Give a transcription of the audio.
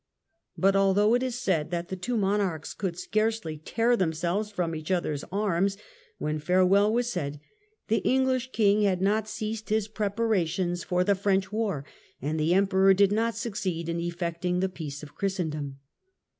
But al though it is said that the two monarchs could scarcely tear themselves from each others arms, when farewell was said the English King had not ceased his prepara 166 THE END OF THE MIDDLE AGE tions for the French war, and the Emperor had not succeeded in effecting the peace of Christendom.